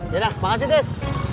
ya udah makasih tes